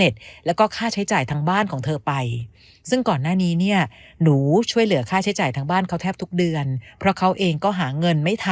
เดี๋ยวหนูจ่ายค่าบ้านเอง